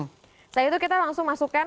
setelah itu kita langsung masukkan